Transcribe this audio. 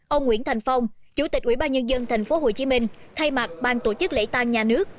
ông nguyễn thành phong chủ tịch ubnd tp hcm thay mặt bang tổ chức lễ tăng nhà nước